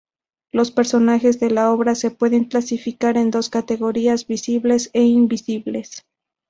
Los personajes de la obra se pueden clasificar en dos categorías, Visibles e Invisibles.